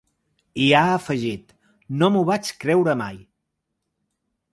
I ha afegit: No m’ho vaig creure mai.